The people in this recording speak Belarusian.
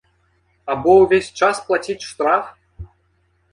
Або ўвесь час плаціць штраф?